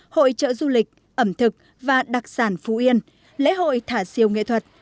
hội trợ du lịch ẩm thực và đặc sản phú yên lễ hội thả siêu nghệ thuật